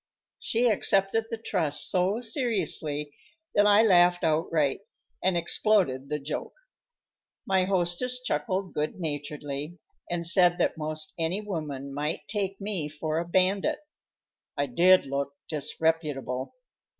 She accepted the trust so seriously that I laughed outright, and exploded the joke. My hostess chuckled good naturedly, and said that most any woman might take me for a bandit. I did look disreputable.